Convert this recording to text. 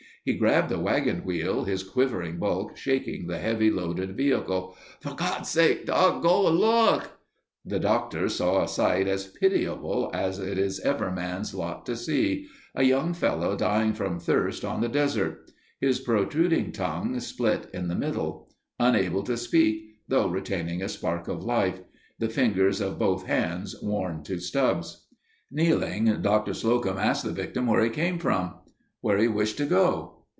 He grabbed the wagon wheel, his quivering bulk shaking the heavily loaded vehicle. "For God's sake, Doc. Go and look!" The Doctor saw a sight as pitiable as it is ever man's lot to see—a young fellow dying from thirst on the desert. His protruding tongue split in the middle. Unable to speak, though retaining a spark of life. The fingers of both hands worn to stubs. Kneeling, Doctor Slocum asked the victim where he came from; where he wished to go.